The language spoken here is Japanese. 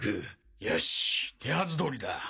よし手はず通りだ。